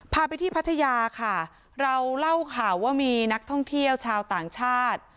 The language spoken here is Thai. พาไปที่พัทยาค่ะเราเล่าข่าวว่ามีนักท่องเที่ยวชาวต่างชาติ